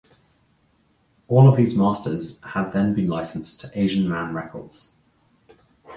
All of these masters had then been licensed to Asian Man Records.